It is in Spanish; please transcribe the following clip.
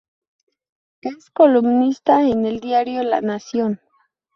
Es columnista en el diario La Nación.